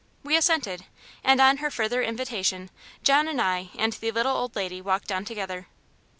We assented; and on her further invitation John and I and the little old lady walked on together.